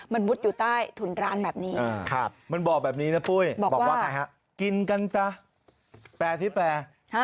มันมุดอยู่ใต้ทุนร้านแบบนี้นะฮะบอกว่าเกินบอกว่าแปร่ที่แปร่เนี่ย